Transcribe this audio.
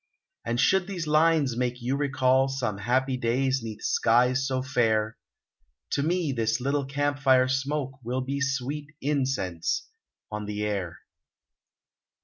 And should these lines make you recall Some happy days 'neath skies so fair, To me this little camp fire smoke Will be sweet incense on the air.